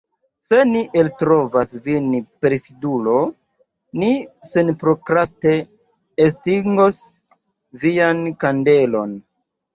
Se ni eltrovas vin perfidulo, ni senprokraste estingos vian kandelon.